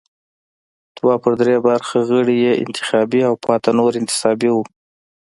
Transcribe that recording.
دوه پر درې برخه غړي یې انتخابي او پاتې نور انتصابي وو.